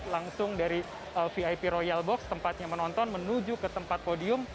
langsung dari vip royal box tempatnya menonton menuju ke tempat podium